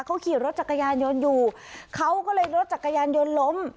เขาขี่รถจักรยานยนต์อยู่เขาก็เลยรถจักรยานยนต์ล้ม